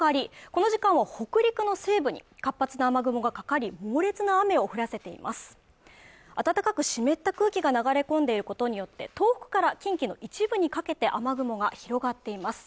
この時間は北陸の西部に活発な雨雲がかかり猛烈な雨を降らせています暖かく湿った空気が流れ込んでいることによって東北から近畿の一部にかけて雨雲が広がっています